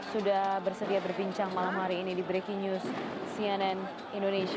sudah bersedia berbincang malam hari ini di breaking news cnn indonesia